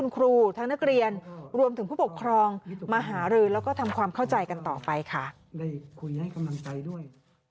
กำลังใจด้วย